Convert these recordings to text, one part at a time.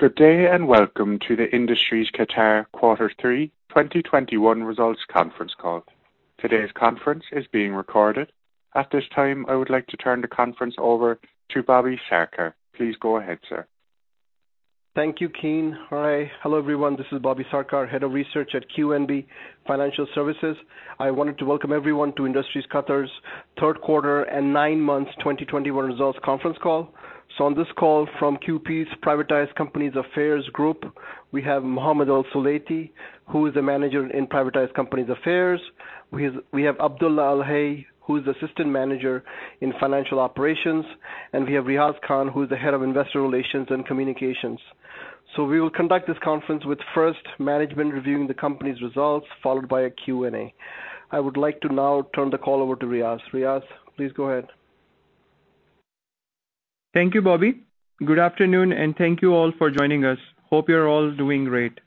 Good day, welcome to the Industries Qatar Quarter Three 2021 Results Conference Call. Today's conference is being recorded. At this time, I would like to turn the conference over to Bobby Sarkar. Please go ahead, sir. Thank you, Keane. Hi. Hello, everyone. This is Bobby Sarkar, Head of Research at QNB Financial Services. I wanted to welcome everyone to Industries Qatar's third quarter and nine months 2021 results conference call. On this call from QPs Privatized Companies Affairs Group, we have Mohammed Al-Sulaiti, who is the Manager in Privatized Companies Affairs. We have Abdulla Al-Hay, who is Assistant Manager in Financial Operations, and we have Riaz Khan, who is the Head of Investor Relations and Communications. We will conduct this conference with first management reviewing the company's results, followed by a Q&A. I would like to now turn the call over to Riaz. Riaz, please go ahead. Thank you, Bobby. Good afternoon, and thank you all for joining us. Hope you're all doing great.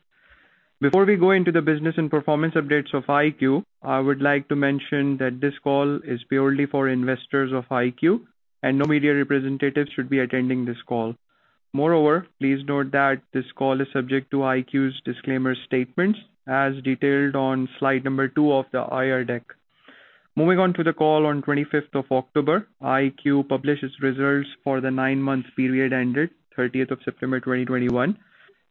Before we go into the business and performance updates of IQ, I would like to mention that this call is purely for investors of IQ and no media representatives should be attending this call. Moreover, please note that this call is subject to IQ's disclaimer statements as detailed on slide number two of the IR deck. Moving on to the call on 25th of October, IQ published its reserves for the nine months period ended 13th of September 2021.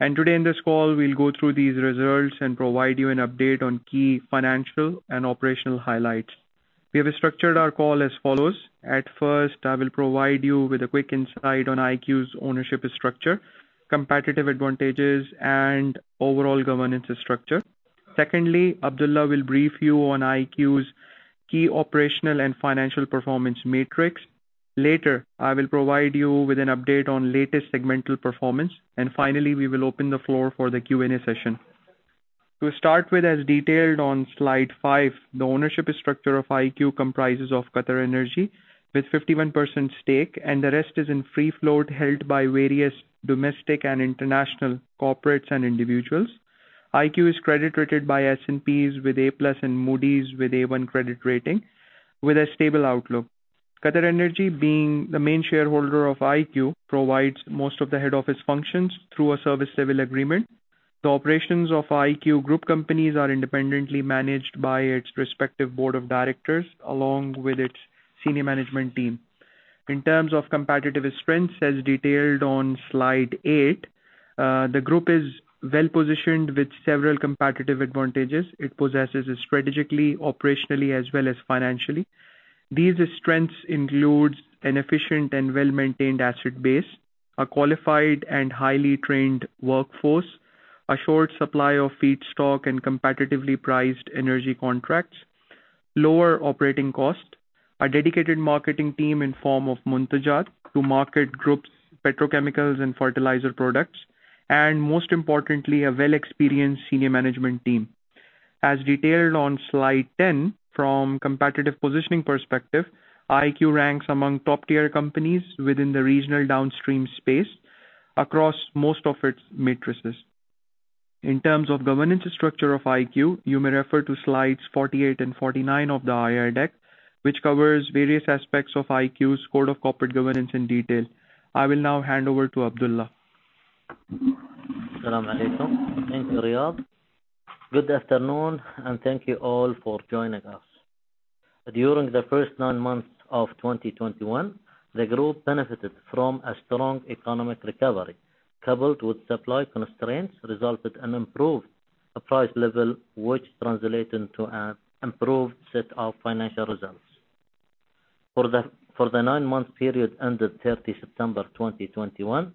Today in this call, we'll go through these results and provide you an update on key financial and operational highlights. We have structured our call as follows. At first, I will provide you with a quick insight on IQ's ownership structure, competitive advantages, and overall governance structure. Secondly, Abdulla will brief you on IQ's key operational and financial performance metrics. Later, I will provide you with an update on latest segmental performance. Finally, we will open the floor for the Q&A session. To start with, as detailed on slide five, the ownership structure of IQ comprises of QatarEnergy with 51% stake, and the rest is in free float held by various domestic and international corporates and individuals. IQ is credit rated by S&P with A+ and Moody's with A1 credit rating with a stable outlook. QatarEnergy, being the main shareholder of IQ, provides most of the head office functions through a service level agreement. The operations of IQ group companies are independently managed by its respective board of directors along with its senior management team. In terms of competitive strengths, as detailed on slide eight, the group is well-positioned with several competitive advantages it possesses strategically, operationally, as well as financially. These strengths include an efficient and well-maintained asset base, a qualified and highly trained workforce, a short supply of feedstock and competitively priced energy contracts, lower operating costs, a dedicated marketing team in form of Muntajat to market group's petrochemicals and fertilizer products, and most importantly, a well-experienced senior management team. As detailed on slide 10, from competitive positioning perspective, IQ ranks among top-tier companies within the regional downstream space across most of its matrices. In terms of governance structure of IQ, you may refer to slides 48 and 49 of the IR deck, which covers various aspects of IQ's code of corporate governance in detail. I will now hand over to Abdullah. Salam Alaikum. Thank you, Riaz. Good afternoon, and thank you all for joining us. During the first nine months of 2021, the group benefited from a strong economic recovery, coupled with supply constraints, resulted in improved price level, which translated into an improved set of financial results. For the nine-month period ended 30 September 2021,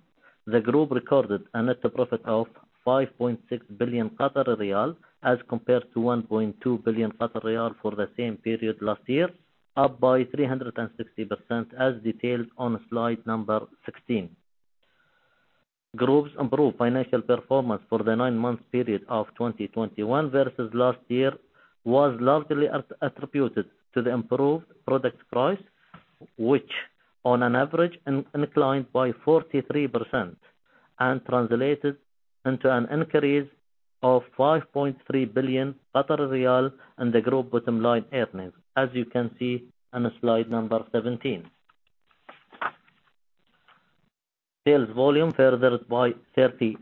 the group recorded a net profit of 5.6 billion riyal as compared to 1.2 billion riyal for the same period last year, up by 360% as detailed on slide number 16. Group's improved financial performance for the nine-month period of 2021 versus last year was largely attributed to the improved product price, which on an average inclined by 43% and translated into an increase of 5.3 billion riyal in the group bottom line earnings, as you can see on slide number 17. Sales volume furthered by 34%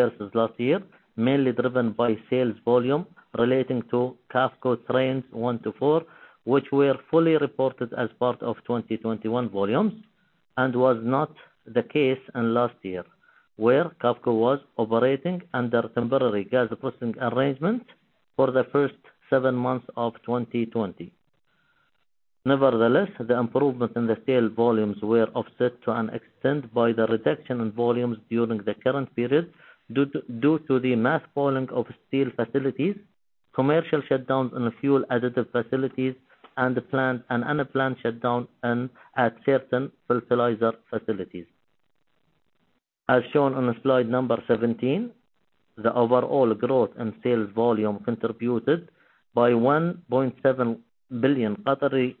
versus last year, mainly driven by sales volume relating to QAFCO trains one to four, which were fully reported as part of 2021 volumes and was not the case in last year, where QAFCO was operating under temporary gas processing arrangements for the first seven months of 2020. The improvements in the sales volumes were offset to an extent by the reduction in volumes during the current period due to the mothballing of steel facilities, commercial shutdowns in the fuel additive facilities, and unplanned shutdown at certain fertilizer facilities. As shown on slide number 17, the overall growth in sales volume contributed by 1.7 billion positively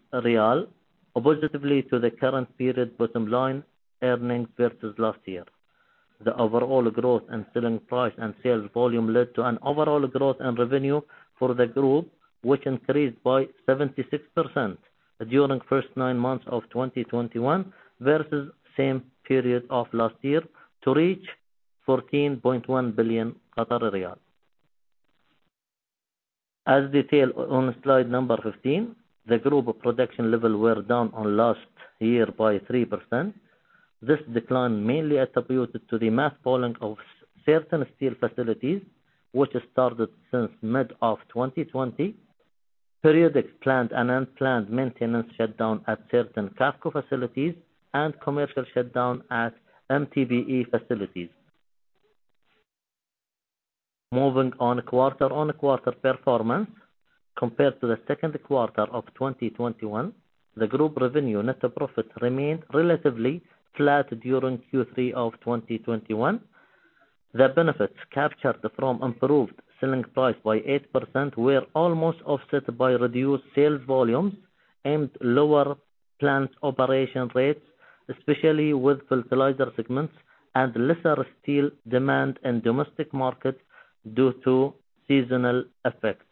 to the current period bottom line earnings versus last year. The overall growth in selling price and sales volume led to an overall growth in revenue for the group, which increased by 76%. During the first nine months of 2021 versus the same period of last year, to reach 14.1 billion Qatari riyal. As detailed on slide number 15, the group production levels were down on last year by 3%. This decline mainly attributed to the mothballing of certain steel facilities, which started since mid of 2020. Periodic planned and unplanned maintenance shutdown at certain QAFCO facilities and commercial shutdown at MTBE facilities. Moving on quarter-on-quarter performance compared to the second quarter of 2021. The group revenue net profit remained relatively flat during Q3 of 2021. The benefits captured from improved selling price by 8% were almost offset by reduced sales volumes and lower plant operation rates, especially with fertilizer segments and lesser steel demand in domestic markets due to seasonal effects.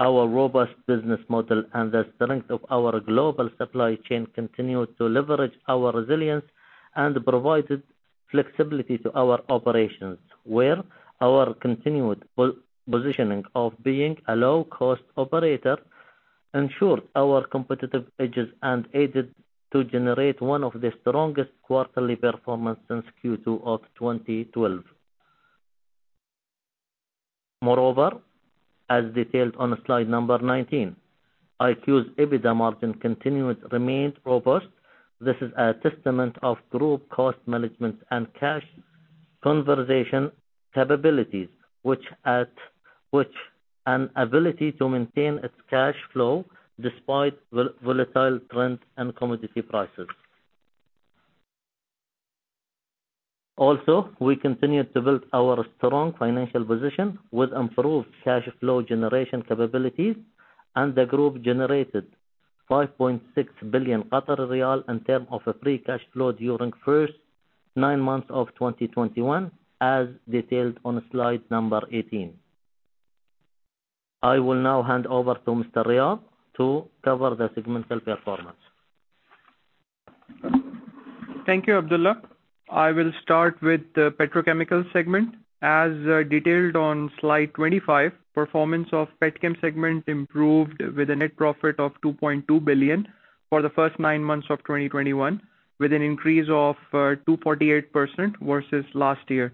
Our robust business model and the strength of our global supply chain continued to leverage our resilience and provided flexibility to our operations, where our continued positioning of being a low-cost operator ensured our competitive edges and aided to generate one of the strongest quarterly performance since Q2 of 2012. As detailed on slide 19, IQ's EBITDA margin continued to remain robust. This is a testament of group cost management and cash conversion capabilities, which an ability to maintain its cash flow despite volatile trends and commodity prices. Also, we continued to build our strong financial position with improved cash flow generation capabilities, and the group generated 5.6 billion riyal in term of free cash flow during the first nine months of 2021, as detailed on slide 18. I will now hand over to Mr. Riaz to cover the segmental performance. Thank you, Abdulla. I will start with the petrochemical segment. As detailed on slide 25, performance of petchem segment improved with a net profit of 2.2 billion for the first nine months of 2021, with an increase of 248% versus last year.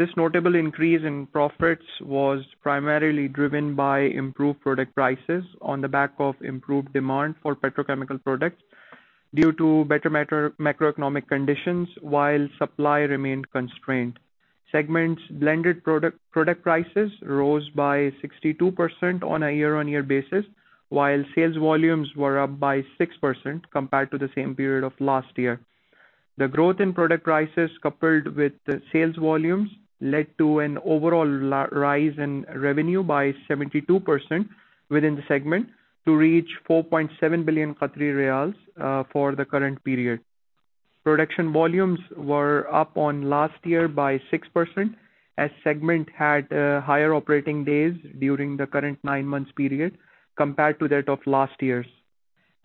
This notable increase in profits was primarily driven by improved product prices on the back of improved demand for petrochemical products due to better macroeconomic conditions while supply remained constrained. Segment's blended product prices rose by 62% on a year-on-year basis, while sales volumes were up by 6% compared to the same period of last year. The growth in product prices, coupled with sales volumes, led to an overall rise in revenue by 72% within the segment to reach 4.7 billion Qatari riyals for the current period. Production volumes were up on last year by 6%, as segment had higher operating days during the current nine months period compared to that of last year's.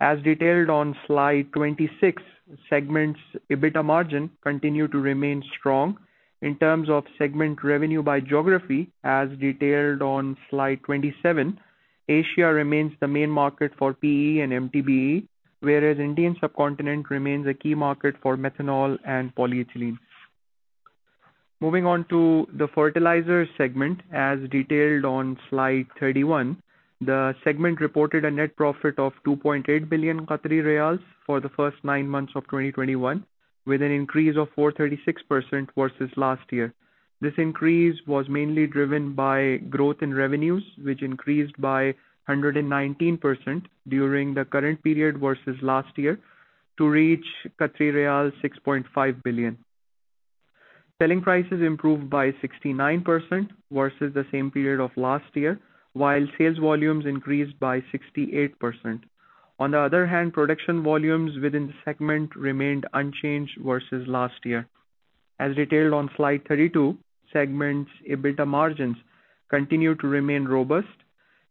As detailed on slide 26, segment's EBITDA margin continued to remain strong. In terms of segment revenue by geography, as detailed on slide 27, Asia remains the main market for PE and MTBE, whereas Indian subcontinent remains a key market for methanol and polyethylene. Moving on to the fertilizer segment, as detailed on slide 31. The segment reported a net profit of 2.8 billion Qatari riyals for the first nine months of 2021, with an increase of 436% versus last year. This increase was mainly driven by growth in revenues, which increased by 119% during the current period versus last year to reach 6.5 billion. Selling prices improved by 69% versus the same period of last year, while sales volumes increased by 68%. On the other hand, production volumes within the segment remained unchanged versus last year. As detailed on slide 32, segment's EBITDA margins continued to remain robust.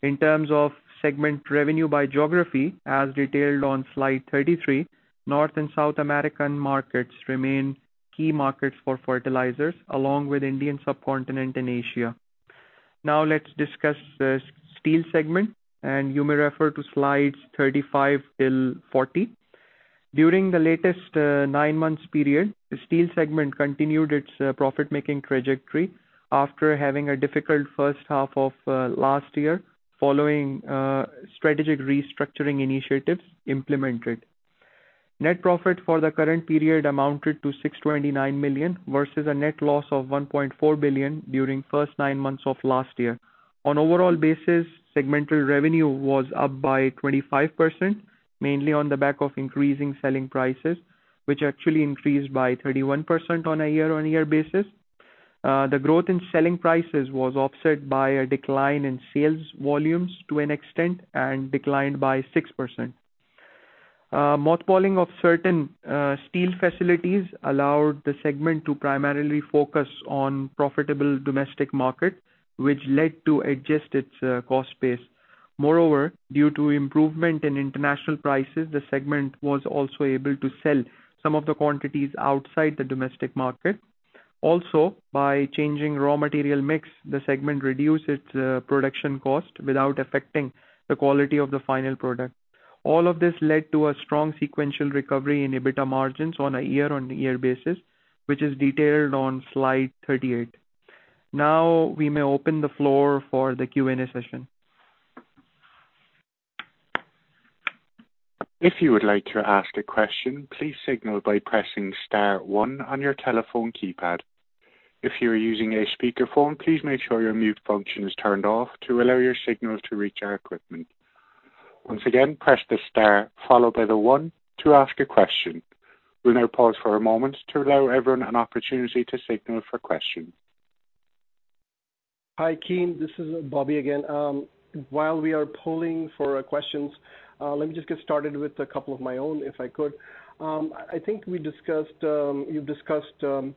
In terms of segment revenue by geography, as detailed on slide 33, North and South American markets remain key markets for fertilizers, along with Indian subcontinent and Asia. Let's discuss the steel segment, and you may refer to slides 35 till 40. During the latest nine months period, the steel segment continued its profit-making trajectory after having a difficult first half of last year following strategic restructuring initiatives implemented. Net profit for the current period amounted to 629 million versus a net loss of 1.4 billion during the first nine months of last year. On an overall basis, segmental revenue was up by 25%, mainly on the back of increasing selling prices, which actually increased by 31% on a year-on-year basis. The growth in selling prices was offset by a decline in sales volumes to an extent and declined by 6%. Mothballing of certain steel facilities allowed the segment to primarily focus on profitable domestic market, which led to adjust its cost base. Due to improvement in international prices, the segment was also able to sell some of the quantities outside the domestic market. By changing raw material mix, the segment reduced its production cost without affecting the quality of the final product. All of this led to a strong sequential recovery in EBITDA margins on a year-on-year basis, which is detailed on slide 38. We may open the floor for the Q&A session. If you would like to ask a question, please signal by pressing star one on your telephone keypad. If you are using a speakerphone, please make sure your mute function is turned off to allow your signal to reach our equipment. Once again, press the star followed by the one to ask a question. We'll now pause for a moment to allow everyone an opportunity to signal for questions. Hi, Keane. This is Bobby again. While we are polling for questions, let me just get started with a couple of my own, if I could. I think you've discussed maintenance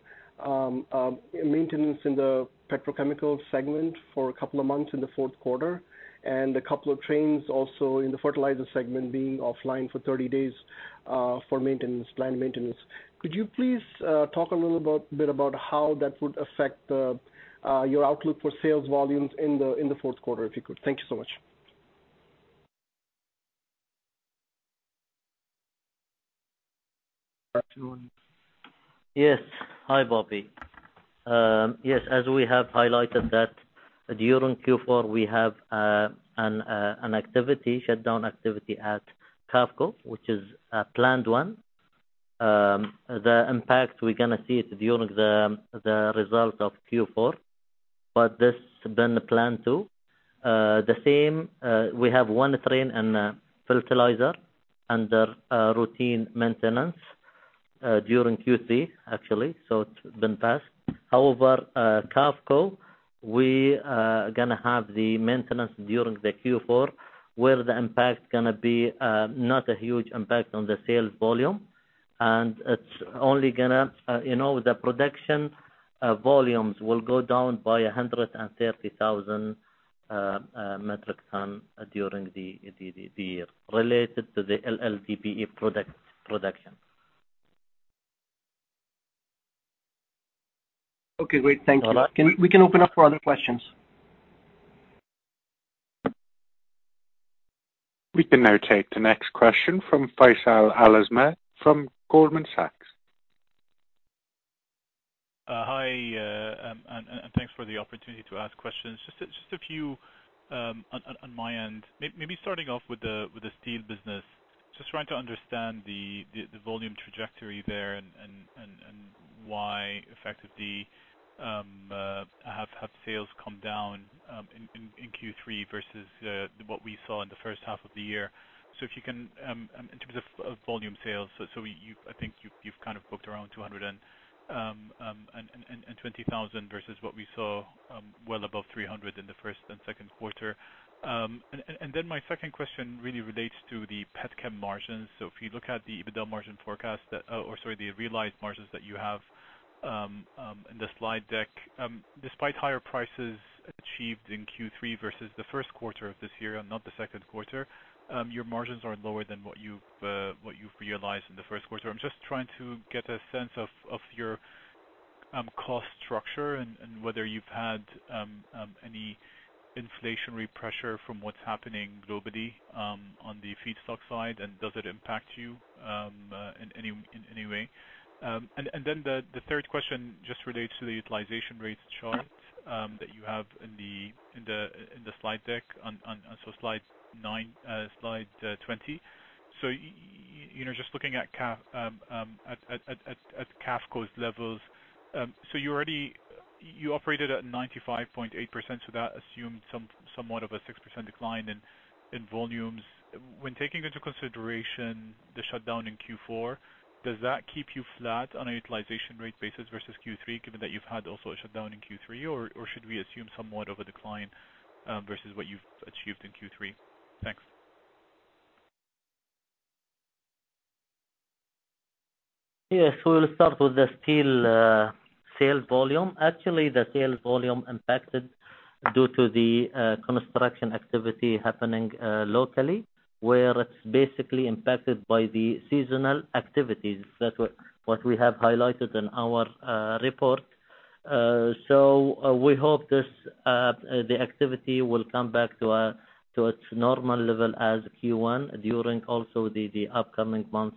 in the petrochemical segment for a couple of months in the fourth quarter and a couple of trains also in the fertilizer segment being offline for 30 days for planned maintenance. Could you please talk a little bit about how that would affect your outlook for sales volumes in the fourth quarter, if you could? Thank you so much. Yes. Hi, Bobby. Yes, as we have highlighted that during Q4, we have a shutdown activity at QAFCO, which is a planned one. The impact we're going to see it during the result of Q4, but this been planned too. The same, we have one train in the fertilizer under routine maintenance during Q3, actually, so it's been passed. However, QAFCO, we are going to have the maintenance during the Q4, where the impact going to be not a huge impact on the sales volume. The production volumes will go down by 130,000 metric ton during the year, related to the LLDPE product production. Okay, great. Thank you. We can open up for other questions. We can now take the next question from Faysal Al-Azmeh from Goldman Sachs. Hi, thanks for the opportunity to ask questions. Just a few on my end, maybe starting off with the steel business, just trying to understand the volume trajectory there and why effectively have sales come down in Q3 versus what we saw in the first half of the year. If you can, in terms of volume sales, I think you've booked around 220,000 versus what we saw well above 300 in the first and second quarter. My second question really relates to the petchem margins. If you look at the EBITDA margin forecast, or, sorry, the realized margins that you have in the slide deck. Despite higher prices achieved in Q3 versus the first quarter of this year and not the second quarter, your margins are lower than what you've realized in the first quarter. I'm just trying to get a sense of your cost structure and whether you've had any inflationary pressure from what's happening globally on the feedstock side, and does it impact you in any way? The third question just relates to the utilization rates chart that you have in the slide deck, slide 20. Just looking at QAFCO's levels. You operated at 95.8%, that assumed somewhat of a 6% decline in volumes. When taking into consideration the shutdown in Q4, does that keep you flat on a utilization rate basis versus Q3, given that you've had also a shutdown in Q3, or should we assume somewhat of a decline versus what you've achieved in Q3? Thanks. Yes. We'll start with the steel sales volume. Actually, the sales volume impacted due to the construction activity happening locally, where it's basically impacted by the seasonal activities. That's what we have highlighted in our report. We hope the activity will come back to its normal level as Q1 during also the upcoming months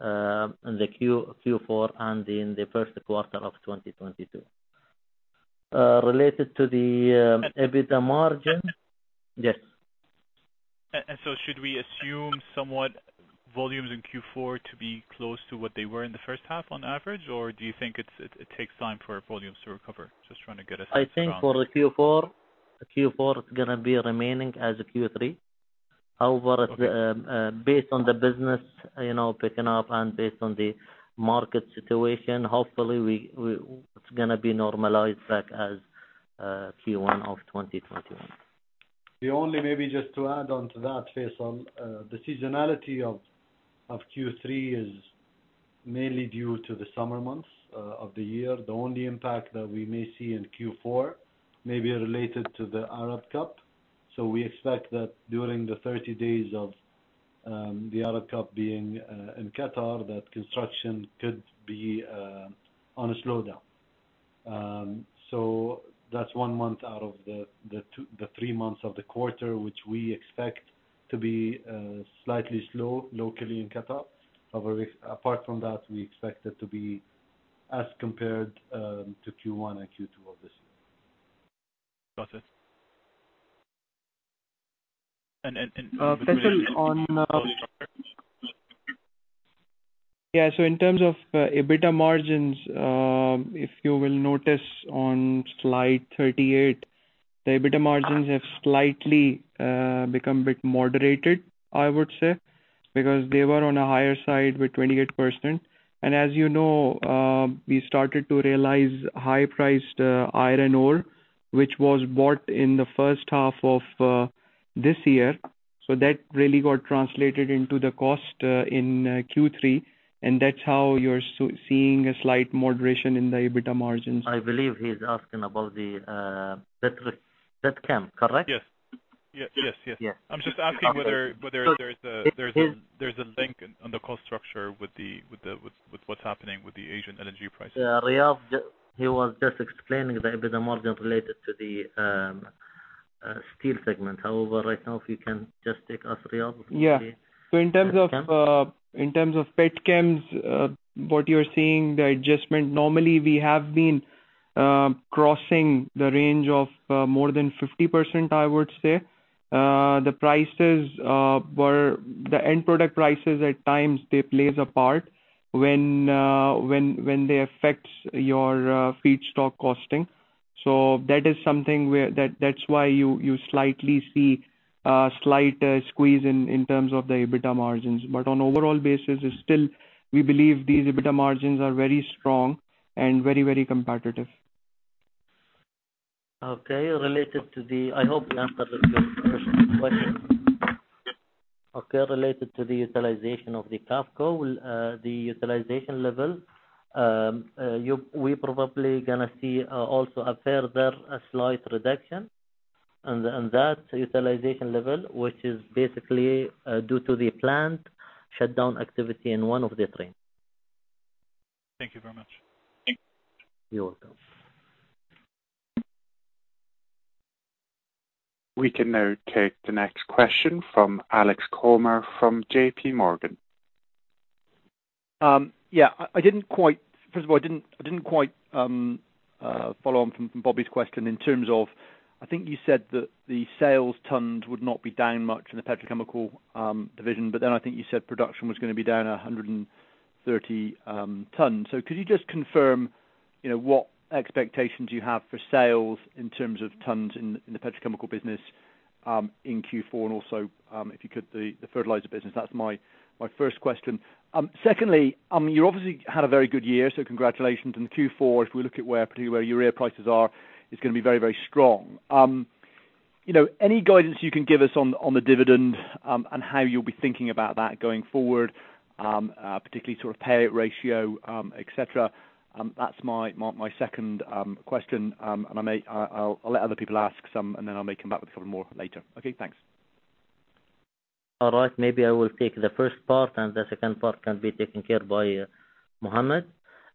in the Q4 and in the first quarter of 2022. Related to the EBITDA margin. Yes. Should we assume somewhat volumes in Q4 to be close to what they were in the first half on average, or do you think it takes time for volumes to recover? Just trying to get a sense from- I think for the Q4, it's going to be remaining as Q3. Okay Based on the business picking up and based on the market situation, hopefully it's going to be normalized back as Q1 of 2021. The only maybe just to add on to that, Faisal, the seasonality of Q3 is mainly due to the summer months of the year. The only impact that we may see in Q4 may be related to the Arab Cup. We expect that during the 30 days of the Arab Cup being in Qatar, that construction could be on a slowdown. That's one month out of the three months of the quarter, which we expect to be slightly slow locally in Qatar. However, apart from that, we expect it to be as compared to Q1 and Q2 of this year. Got it. Faisal. Yeah. In terms of EBITDA margins, if you will notice on slide 38, the EBITDA margins have slightly become a bit moderated, I would say, because they were on a higher side with 28%. As you know, we started to realize high-priced iron ore, which was bought in the first half of this year. That really got translated into the cost in Q3, that's how you're seeing a slight moderation in the EBITDA margins. I believe he's asking about the petchem, correct? Yes. I'm just asking whether there's a link on the cost structure with what's happening with the Asian LNG prices. Yeah. Riaz, he was just explaining the EBITDA margin related to the steel segment. Right now, if you can just take us, Riaz. In terms of petchems, what you're seeing, the adjustment, normally we have been crossing the range of more than 50%, I would say. The end product prices at times, they play a part when they affect your feedstock costing. That is something that's why you slightly see a slight squeeze in terms of the EBITDA margins. On overall basis, it's still, we believe these EBITDA margins are very strong and very competitive. Okay. Related to the I hope we answered the first question. Okay. Related to the utilization of the QAFCO, the utilization level, we probably going to see also a further slight reduction on that utilization level, which is basically due to the plant shutdown activity in one of the trains. Thank you very much. You're welcome. We can now take the next question from Alex Comer from J.P. Morgan. Yeah. First of all, I didn't quite follow on from Bobby's question in terms of, I think you said that the sales tonnes would not be down much in the petrochemical division, but then I think you said production was going to be down 130 tonnes. Could you just confirm what expectations you have for sales in terms of tonnes in the petrochemical business in Q4 and also, if you could, the fertilizer business? That's my first question. Secondly, you obviously had a very good year, so congratulations. In Q4, if we look at where particularly where urea prices are, it's going to be very strong. Any guidance you can give us on the dividend, and how you'll be thinking about that going forward, particularly sort of payout ratio, et cetera? That's my second question. I'll let other people ask some, and then I may come back with a couple more later. Okay, thanks. All right. Maybe I will take the first part, and the second part can be taken care of by Mohammed.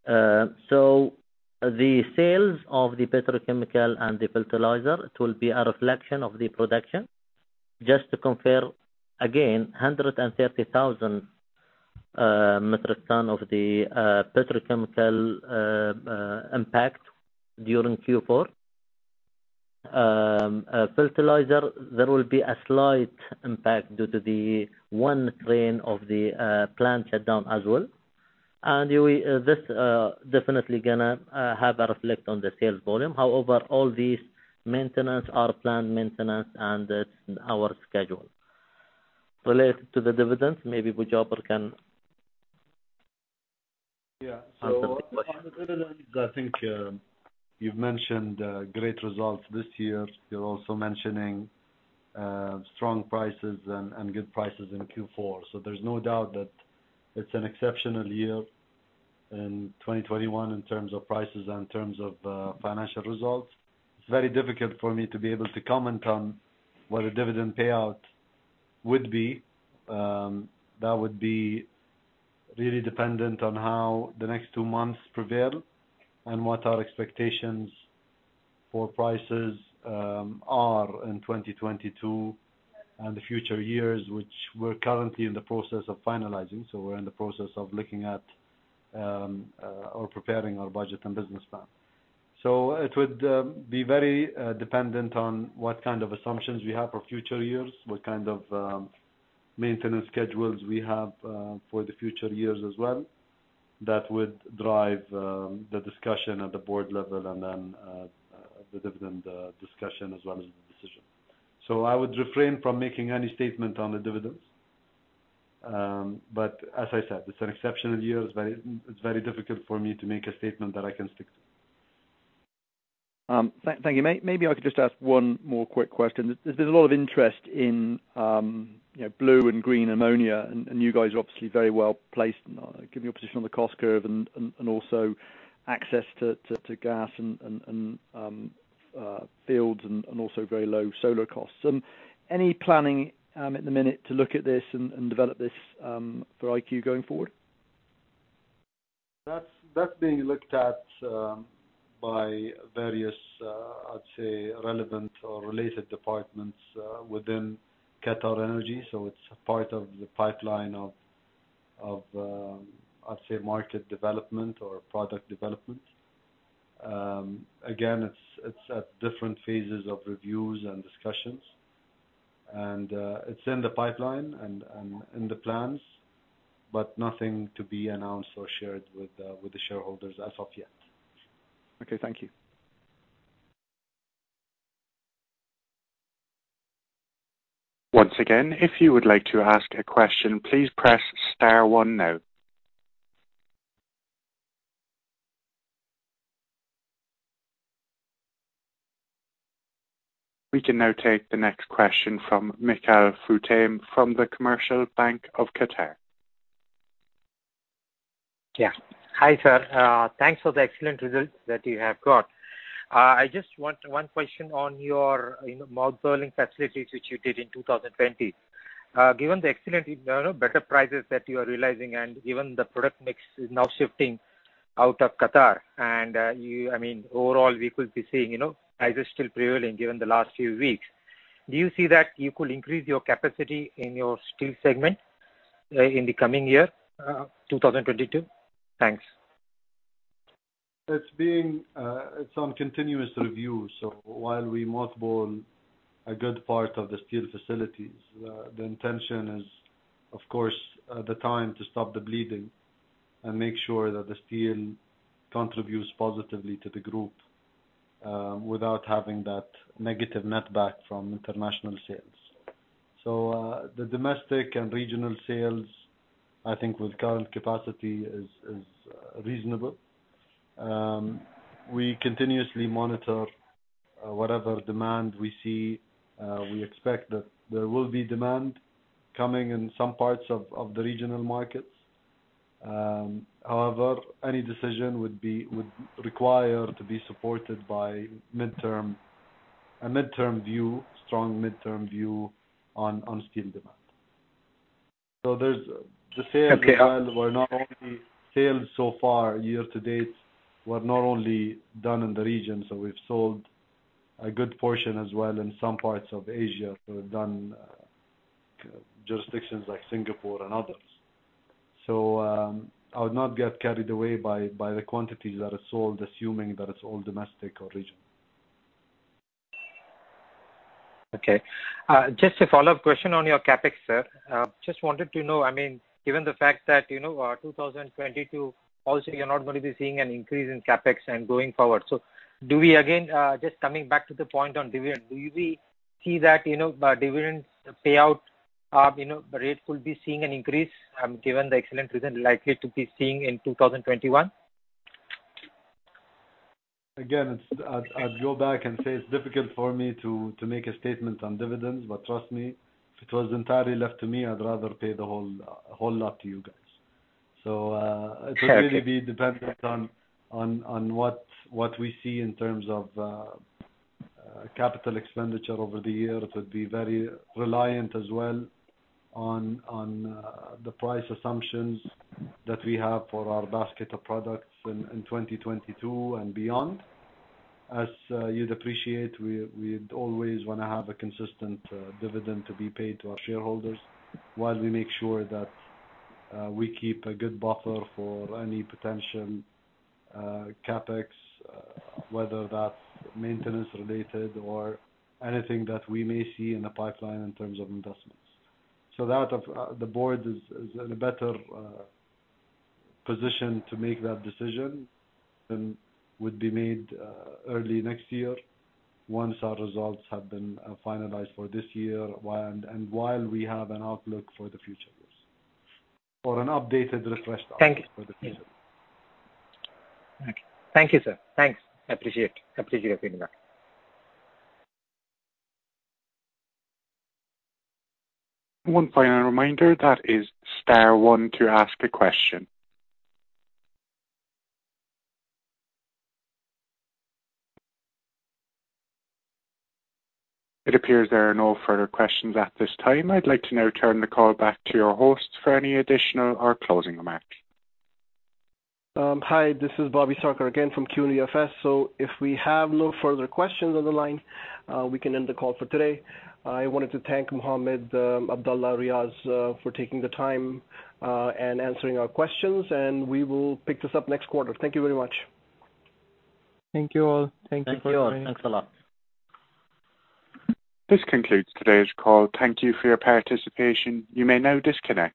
The sales of the petrochemical and the fertilizer, it will be a reflection of the production. Just to confirm, again, 130,000 metric ton of the petrochemical impact during Q4. Fertilizer, there will be a slight impact due to the one train of the plant shutdown as well, and this definitely going to have a reflect on the sales volume. However, all these maintenance are planned maintenance, and it's in our schedule. Related to the dividends, maybe Bujaber. Yeah. Answer the question on the dividends, I think you've mentioned great results this year. You're also mentioning strong prices and good prices in Q4. There's no doubt that it's an exceptional year in 2021 in terms of prices and in terms of financial results. It's very difficult for me to be able to comment on what a dividend payout would be. That would be really dependent on how the next two months prevail and what our expectations for prices are in 2022 and the future years, which we're currently in the process of finalizing. We're in the process of looking at or preparing our budget and business plan. It would be very dependent on what kind of assumptions we have for future years, what kind of maintenance schedules we have for the future years as well. That would drive the discussion at the board level and then the dividend discussion as well as the decision. I would refrain from making any statement on the dividends. As I said, it's an exceptional year. It's very difficult for me to make a statement that I can stick to. Thank you. Maybe I could just ask one more quick question. There's been a lot of interest in blue and green ammonia, and you guys are obviously very well-placed, given your position on the cost curve and also access to gas and fields, and also very low solar costs. Any planning at the minute to look at this and develop this for IQ going forward? That's being looked at by various, I'd say, relevant or related departments within QatarEnergy, so it's a part of the pipeline of, I'd say, market development or product development. Again, it's at different phases of reviews and discussions. It's in the pipeline and in the plans, but nothing to be announced or shared with the shareholders as of yet. Okay, thank you. Once again, if you would like to ask a question, please press star one now. We can now take the next question from Mikhail Futain from the Commercial Bank of Qatar. Yeah. Hi, sir. Thanks for the excellent results that you have got. I just want one question on your mothballing facilities, which you did in 2020. Given the excellent better prices that you are realizing and given the product mix is now shifting out of Qatar, overall, we could be seeing prices still prevailing given the last few weeks, do you see that you could increase your capacity in your steel segment in the coming year, 2022? Thanks. It's on continuous review. While we mothball a good part of the steel facilities, the intention is, of course, at the time to stop the bleeding and make sure that the steel contributes positively to the group without having that negative net back from international sales. The domestic and regional sales, I think with current capacity is reasonable. We continuously monitor whatever demand we see. We expect that there will be demand coming in some parts of the regional markets. However, any decision would require to be supported by a midterm view, strong midterm view on steel demand. Okay. The sales so far year to date were not only done in the region. We've sold a good portion as well in some parts of Asia. We've done jurisdictions like Singapore and others. I would not get carried away by the quantities that are sold, assuming that it's all domestic or regional. Okay. Just a follow-up question on your CapEx, sir. Just wanted to know, given the fact that 2022, also you're not going to be seeing an increase in CapEx and going forward. Do we, again, just coming back to the point on dividend, do we see that dividends payout rate will be seeing an increase, given the excellent results likely to be seeing in 2021? I'd go back and say it's difficult for me to make a statement on dividends, trust me, if it was entirely left to me, I'd rather pay the whole lot to you guys. It would really be dependent on what we see in terms of capital expenditure over the year. It would be very reliant as well on the price assumptions that we have for our basket of products in 2022 and beyond. As you'd appreciate, we'd always want to have a consistent dividend to be paid to our shareholders while we make sure that we keep a good buffer for any potential CapEx, whether that's maintenance related or anything that we may see in the pipeline in terms of investments. That, the board is in a better position to make that decision, and would be made early next year once our results have been finalized for this year, and while we have an outlook for the future. An updated, refreshed outlook for the future. Thank you. Thank you. Thank you, sir. Thanks. I appreciate your feedback. One final reminder, that is star one to ask a question. It appears there are no further questions at this time. I'd like to now turn the call back to your host for any additional or closing remarks. Hi, this is Bobby Sarkar again from QNBFS. If we have no further questions on the line, we can end the call for today. I wanted to thank Mohammed, Abdulla, Riaz for taking the time and answering our questions, and we will pick this up next quarter. Thank you very much. Thank you all. Thanks for joining. Thanks a lot. This concludes today's call. Thank you for your participation. You may now disconnect.